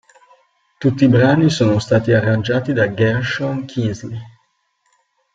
Tutti i brani sono stati arrangiati da Gershon Kingsley.